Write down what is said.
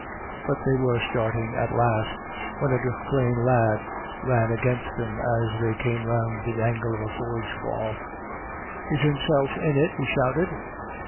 But they were starting at last, when a Duffclane lad ran against them as they came round the angle of the forge wall. " Is Himself in it?" he shouted.